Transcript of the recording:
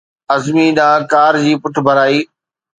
عظمي ڏانهن ڪار جي پٺڀرائي